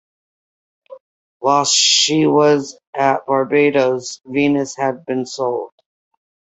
While she was at Barbados "Venus" had been sold.